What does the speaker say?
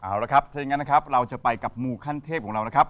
เอาละครับถ้าอย่างนั้นนะครับเราจะไปกับมูขั้นเทพของเรานะครับ